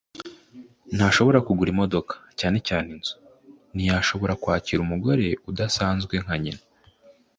Ntashobora kugura imodoka, cyane cyane inzu. Ntiyashoboraga kwakira umugore udasanzwe nka nyina.